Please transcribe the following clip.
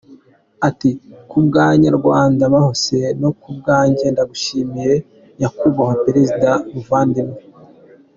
Ati “Ku bw’abanyarwanda bose no ku bwanjye, ndagushimiye Nyakubahwa Perezida muvandimwe.